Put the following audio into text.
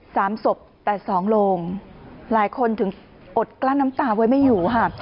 สามศพแต่สองโลงหลายคนถึงอดกลั้นน้ำตาไว้ไม่อยู่ค่ะ